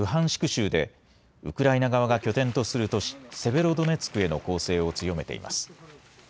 州でウクライナ側が拠点とする都市セベロドネツクへの攻勢を強めています。